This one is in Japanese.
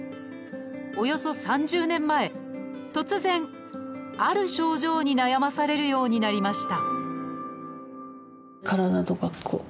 およそ３０年前突然、ある症状に悩まされるようになりました。